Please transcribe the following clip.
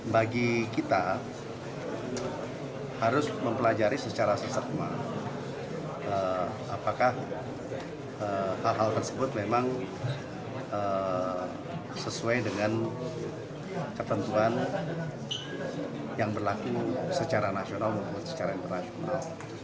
bagi kita harus mempelajari secara sesama apakah hal hal tersebut memang sesuai dengan ketentuan yang berlaku secara nasional maupun secara internasional